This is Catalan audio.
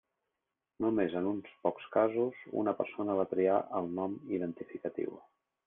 Només en uns pocs casos una persona va triar el nom identificatiu.